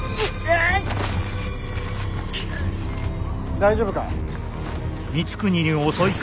大丈夫か？